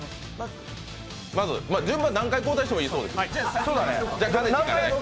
何回交代してもいいそうです。